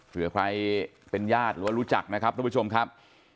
เผื่อใครเป็นญาติหรือว่ารู้จักนะครับทุกผู้ชมครับ